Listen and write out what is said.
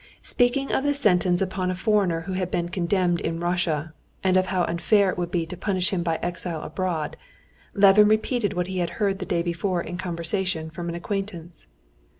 Speaking of the sentence upon a foreigner who had been condemned in Russia, and of how unfair it would be to punish him by exile abroad, Levin repeated what he had heard the day before in conversation from an acquaintance.